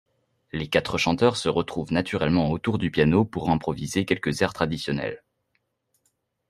Les quatre chanteurs se retrouvent naturellement autour du piano pour improviser quelques airs traditionnels.